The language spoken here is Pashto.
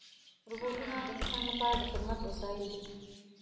روبوټونه د انسان لپاره د خدمت وسایل دي.